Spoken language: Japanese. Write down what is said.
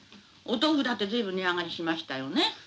お豆腐だって随分値上がりしましたよね。